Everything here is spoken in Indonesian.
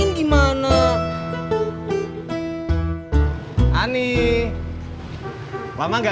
pukul pukul pukul